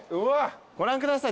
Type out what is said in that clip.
ご覧ください